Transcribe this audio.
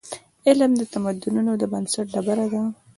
علم د تمدنونو د بنسټ ډبره ده.